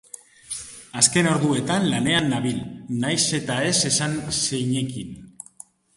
Azken orduetan lanean nabil, nahiz eta ez esan zeinekin.